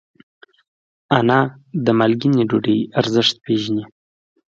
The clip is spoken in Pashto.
انا د مالګې ډوډۍ ارزښت پېژني